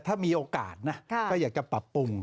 ถ้ามีโอกาสนะก็อยากจะปรับปรุง